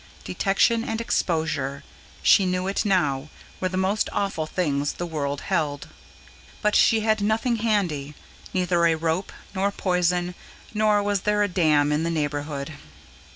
Detection and exposure, she knew it now, were the most awful things the world held. But she had nothing handy: neither a rope, nor poison, nor was there a dam in the neighbourhood.